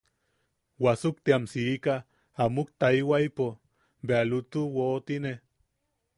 Wasuktiam sika, a muktaewaipo bea lutu woʼotine.